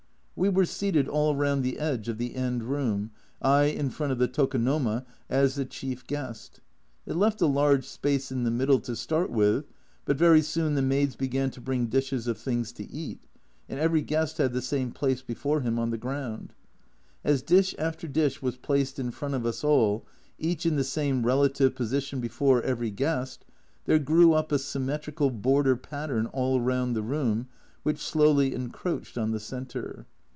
We were seated all round the edge of the end room, I in front of the tokonomo, as the chief guest. It left a large space in the middle to start with, but very soon the maids began to bring dishes of things to eat, and every guest had the same placed before him on the ground ; as dish after dish was placed in front of us all, each in the same relative position before every guest, there grew up a symmetrical border pattern all round the room, which slowly encroached on the centre.